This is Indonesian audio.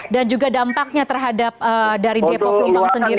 dan juga dampaknya terhadap dari depok rumpang sendiri